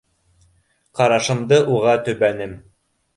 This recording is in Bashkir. Ҡарашымды уға төбәнем.